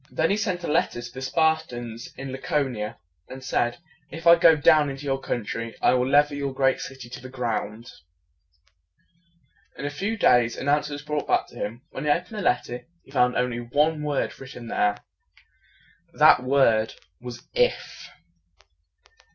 Then he sent a letter to the Spartans in La co ni a, and said, "If I go down into your country, I will level your great city to the ground." In a few days, an answer was brought back to him. When he opened the letter, he found only one word written there. That word was "IF."